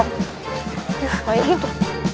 aduh kayak gitu